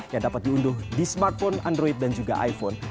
yang dapat diunduh di smartphone android dan juga iphone